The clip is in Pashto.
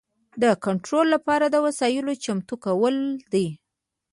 د کنټرول لپاره د وسایلو چمتو کول دي.